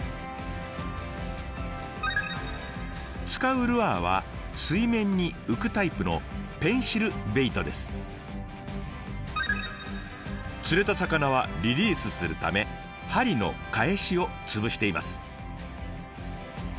使うルアーは水面に浮くタイプの釣れた魚はリリースするためはりのかえしを潰しています。